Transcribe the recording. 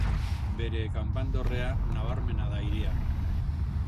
Bere kanpandorrea nabarmena da hirian.